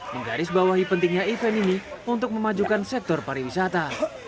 menggarisbawahi pentingnya event ini untuk memajukan sektor pariwisata